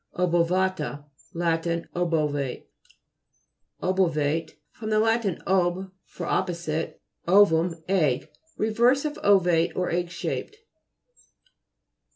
OBOVA'TA Lat. Obovate. OBO'YATE fr. lat. ob, for, opposite, ovum, egg. Reverse of ovate or egg shaped.